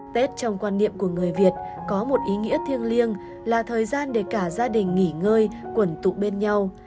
tết trong quan niệm của người việt có một ý nghĩa thiêng liêng là thời gian để cả gia đình nghỉ ngơi quẩn tụ bên nhau